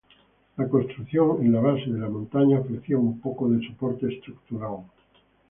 La construcción en la base de la montaña ofrecía un poco de soporte estructural.